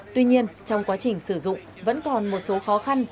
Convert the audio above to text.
tuy nhiên trong quá trình sử dụng vẫn còn một số khó khăn